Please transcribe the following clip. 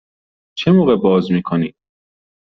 چه موقع باز می کنید؟